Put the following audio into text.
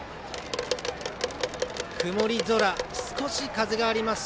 曇り空、少し風があります。